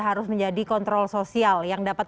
harus menjadi kontrol sosial yang dapat